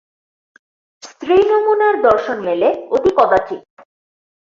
স্ত্রী নমুনার দর্শন মেলে অতি কদাচিৎ।